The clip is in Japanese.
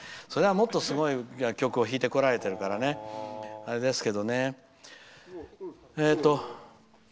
それはもっとすごい楽曲を弾いてこられてるからあれですけどね。